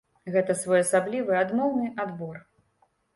Гэта своеасаблівы адмоўны адбор.